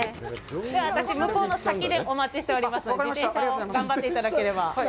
向こうでお待ちしておりますので自転車を頑張っていただければ。